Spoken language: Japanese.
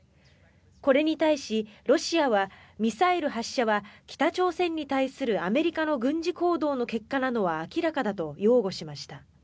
これに対し、ロシアはミサイル発射は北朝鮮に対するアメリカの軍事行動の結果なのは明らかだと擁護しました。